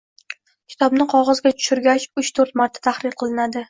Kitobni qog‘ozga tushirgach, uch-to‘rt marta tahrir qilinadi.